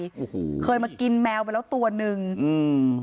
โอ้โหเคยมากินแมวไปแล้วตัวหนึ่งอืม